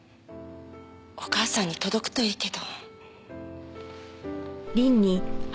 お母さんに届くといいけど。